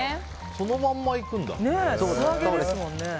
そのまんまいくんだ。